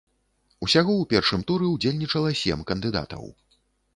Усяго ў першым туры ўдзельнічала сем кандыдатаў.